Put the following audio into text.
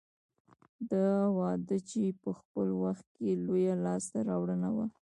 دا وده چې په خپل وخت کې لویه لاسته راوړنه وه